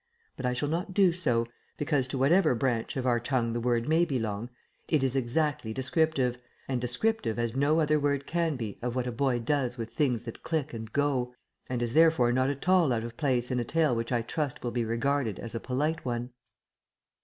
But I shall not do so, because, to whatever branch of our tongue the word may belong, it is exactly descriptive, and descriptive as no other word can be, of what a boy does with things that click and "go," and is therefore not at all out of place in a tale which I trust will be regarded as a polite one.